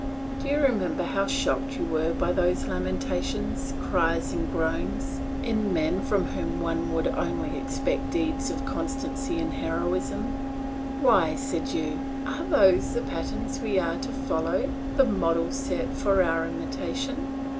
Do you remember how shocked you were by those lamentations, cries, and groans, in men from whom one would only expect deeds of constancy and heroism. 'Why,' said you, 'are those the patterns we are to follow, the models set for our imitation!